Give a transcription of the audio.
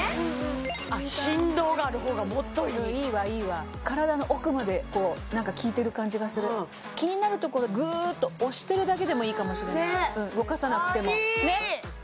あっ振動がある方がもっといいうんいいわいいわ体の奥まで効いてる感じがする気になるところグーッと押してるだけでもいいかもしれない動かさなくてもねっああいい！